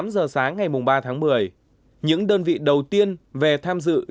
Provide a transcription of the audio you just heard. tám giờ sáng ngày ba tháng một mươi những đơn vị đầu tiên về tham dự liên hoan